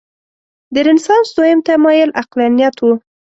د رنسانس دویم تمایل عقلانیت و.